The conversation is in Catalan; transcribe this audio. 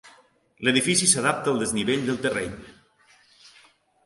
L'edifici s'adapta al desnivell del terreny.